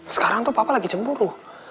sekarang tuh papa lagi cemburu